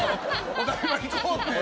お台場に行こう！って。